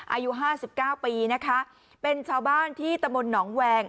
อายุ๕๙ปีนะคะเป็นชาวบ้านที่ตะบนหนองแหวง